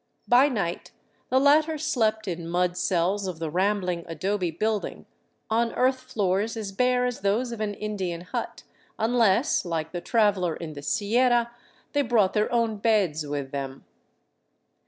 By night the latter slept in mud cells of the rambling adobe building, on earth floors as bare as those of an Indian hut unless, like the traveler in the Sierra, they brought their own "beds" with them.